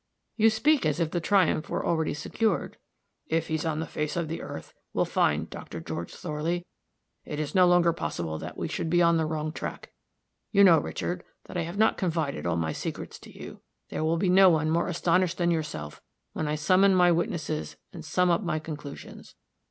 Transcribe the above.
"You speak as if the triumph were already secured." "If he's on the face of the earth, we'll find Doctor George Thorley. It is no longer possible that we should be on the wrong track. You know, Richard, that I have not confided all my secrets to you. There will be no one more astonished than yourself when I summon my witnesses and sum up my conclusions.